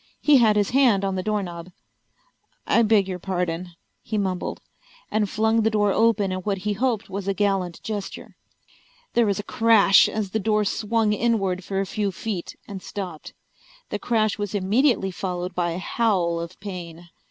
He had his hand on the doorknob. "I beg your pardon," he mumbled, and flung the door open in what he hoped was a gallant gesture. There was a crash as the door swung inward for a few feet and stopped. The crash was immediately followed by a howl of pain.